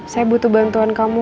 saya butuh bantuan kamu